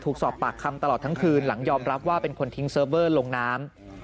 ถูกสอบปากคำตลอดทั้งคืนหลังยอมรับว่าเป็นคนทิ้งเซิร์ฟเวอร์ลงน้ำ